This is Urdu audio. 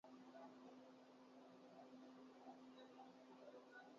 حکومت کرنا انہیں یہ کام آتا نہیں۔